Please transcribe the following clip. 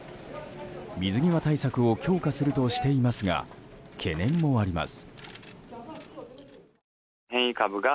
水際対策を強化するとしていますが懸念もあります。